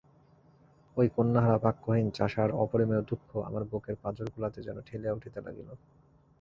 ঐ কন্যাহারা বাক্যহীন চাষার অপরিমেয় দুঃখ আমার বুকের পাঁজরগুলাতে যেন ঠেলিয়া উঠিতে লাগিল।